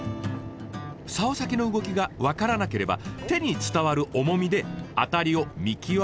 サオ先の動きが分からなければ手に伝わる重みでアタリを見極めろというんです。